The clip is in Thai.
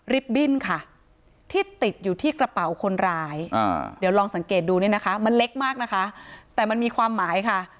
บิ้นค่ะที่ติดอยู่ที่กระเป๋าคนร้ายเดี๋ยวลองสังเกตดูเนี่ยนะคะมันเล็กมากนะคะแต่มันมีความหมายค่ะ